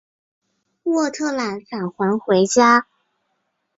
斡特懒返还回家。